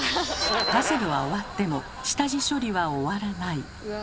パズルは終わっても下地処理は終わらない。